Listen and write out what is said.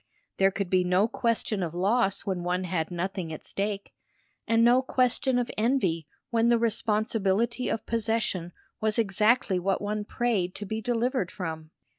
There could be no question of loss when one had nothing at stake, and no question of envy when the responsibility of possession was exactly what one prayed to be delivered from.